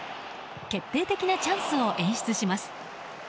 決定的なチャンスを演出します。